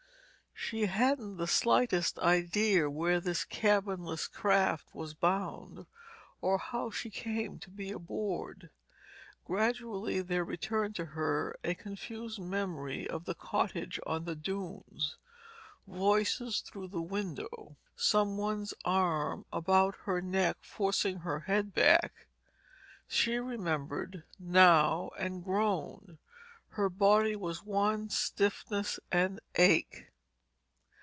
She hadn't the slightest idea where this cabinless craft was bound, or how she came to be aboard. Gradually there returned to her a confused memory of the cottage on the dunes, voices through the window. Someone's arm about her neck, forcing her head back—she remembered, now, and groaned. Her body was one stiffness and ache.